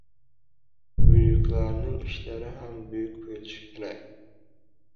• Buyuklarning ishlari ham buyuk bo‘lishi kerak.